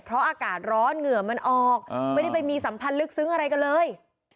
เพราะอากาศร้อนเหงื่อมันออกไม่ได้ไปมีสัมพันธ์ลึกซึ้งอะไรกันเลย